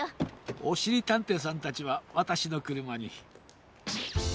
おしりたんていさんたちはわたしのくるまに。